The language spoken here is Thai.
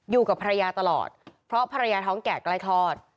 อยู่กับภรรยาตลอดเพราะภรรยาท้องแก่ใกล้คลอด